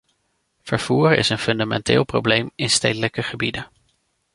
Vervoer is een fundamenteel probleem in stedelijke gebieden.